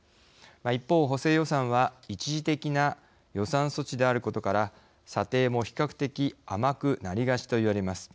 一方、補正予算は一時的な予算措置であることから査定も比較的甘くなりがちといわれます。